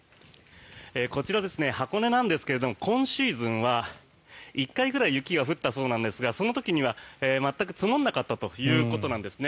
こちら、箱根なんですが今シーズンは１回ぐらい雪が降ったそうなんですがその時には全く積もらなかったということなんですね。